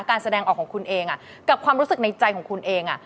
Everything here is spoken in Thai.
แสดงออกของคุณเองกับความรู้สึกในใจของคุณเอง